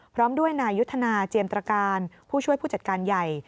พร้อมด้วยนายยุทธนาเจียมตรการผู้ช่วยผู้จัดการใหญ่